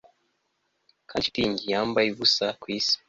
Kandi shitingi yambaye ubusa kwisi